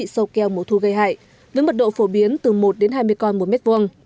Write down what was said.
sâu keo mùa thu gây hại với mật độ phổ biến từ một đến hai mươi con một mét vuông